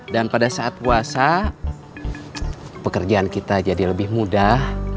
dan pada saat puasa pekerjaan kita jadi lebih mudah